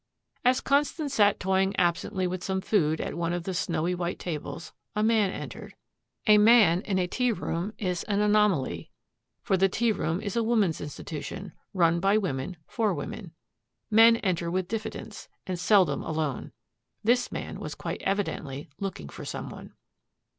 As Constance sat toying absently with some food at one of the snowy white tables, a man entered. A man in a tea room is an anomaly. For the tea room is a woman's institution, run by women for women. Men enter with diffidence, and seldom alone. This man was quite evidently looking for some one.